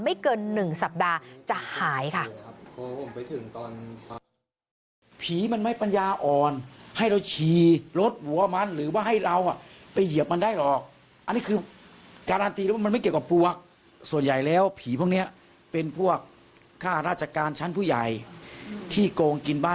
ไม่เกิน๑สัปดาห์จะหายค่ะ